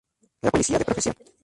Era policía de profesión.